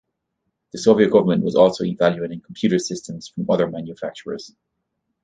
The Soviet government was also evaluating computer systems from other manufacturers.